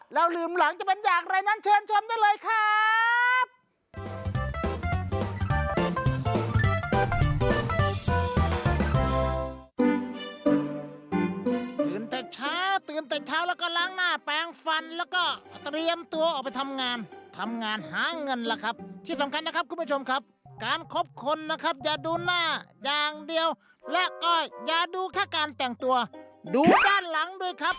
แล้วลืมหลังจะเป็นอย่างไรนั้นเชิญชมได้เลยครับ